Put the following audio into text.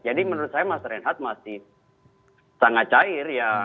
jadi menurut saya mas reinhardt masih sangat cair ya